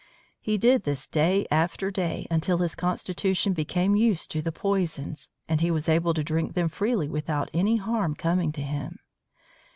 He did this day after day until his constitution became used to the poisons, and he was able to drink them freely without any harm coming to him.